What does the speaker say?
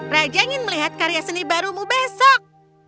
raja ingin melihat karya seni barumu besok